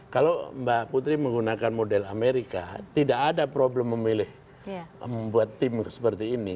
kalau mbak putri menggunakan model amerika tidak ada problem memilih membuat tim seperti ini